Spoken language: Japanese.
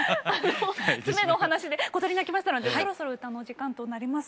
爪のお話で小鳥鳴きましたのでそろそろ歌のお時間となります。